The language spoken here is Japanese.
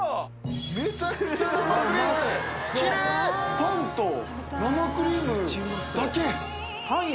パンと生クリームだけ。